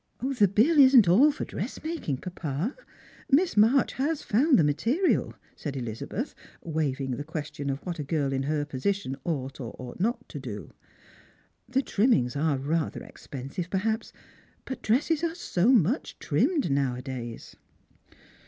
"The bill isn't all for dressmaking, papa; Miss March has found the material," said Elizabeth, waiving the question of what a girl in her position ought or ought not to do. "The trimmings are rather expensive, perhajDs; but dresses are so much trimmed nowadays."